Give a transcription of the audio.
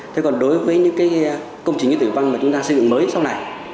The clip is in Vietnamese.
thế còn đối với những công trình khí tượng thủy văn mà chúng ta xây dựng mới sau này